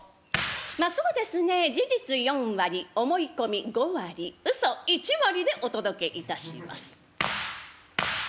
まあそうですねえ事実４割思い込み５割うそ１割でお届けいたします。